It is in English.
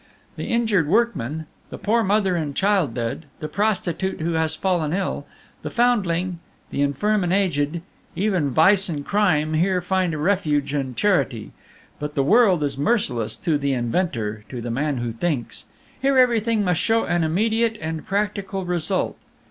The injured workman, the poor mother in childbed, the prostitute who has fallen ill, the foundling, the infirm and aged even vice and crime here find a refuge and charity; but the world is merciless to the inventor, to the man who thinks. Here everything must show an immediate and practical result.